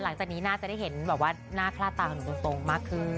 หลังจากนี้น่าจะได้เห็นแบบว่าหน้าคล่าตาของหนูตรงมากขึ้น